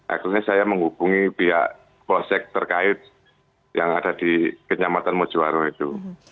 akhirnya saya menghubungi pihak polsek terkait yang ada di kenyamatan mojowaro itu